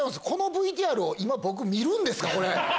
このＶＴＲを僕見るんですか？